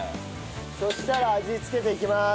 そうしたら味付けていきます。